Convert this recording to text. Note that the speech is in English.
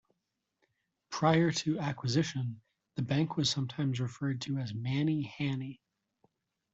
Prior to acquisition, the bank was sometimes referred to as Manny Hanny.